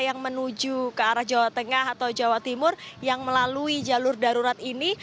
yang menuju ke arah jawa tengah atau jawa timur yang melalui jalur darurat ini